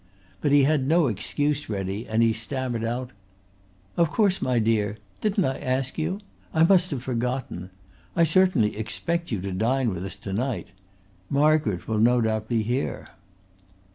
But he had no excuse ready and he stammered out: "Of course, my dear. Didn't I ask you? I must have forgotten. I certainly expect you to dine with us to night. Margaret will no doubt be here."